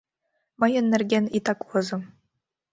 Мыйын нерген итак возо.